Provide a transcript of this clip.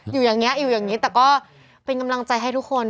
อยู่อย่างนี้อยู่อย่างนี้แต่ก็เป็นกำลังใจให้ทุกคน